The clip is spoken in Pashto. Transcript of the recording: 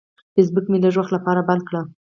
فیسبوک مې لږ وخت لپاره بند کړ.